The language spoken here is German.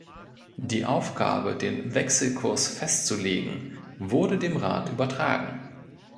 Die Aufgabe, den Wechselkurs festzulegen, wurde dem Rat übertragen.